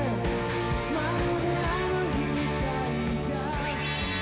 まるであの日みたいだ